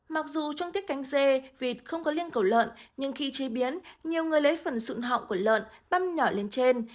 mặc dù trong tiết cánh dê vịt không có liên cầu lợn nhưng khi chế biến nhiều người lấy phần sụn họng của lợn băm nhỏ lên trên